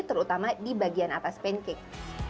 terutama di bagian atas pancake